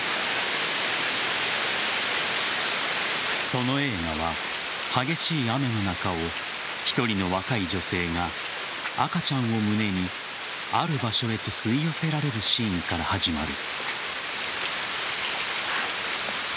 その映画は、激しい雨の中を１人の若い女性が赤ちゃんを胸にある場所へと吸い寄せられるシーンから始まる。